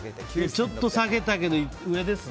ちょっと下げたけど上ですね。